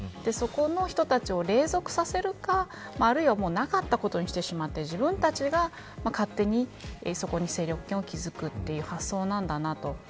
そこの人たちを隷属させるかあるいはなかったことにしてしまって自分たちが勝手にそこに勢力圏を築くという発想なんだなと。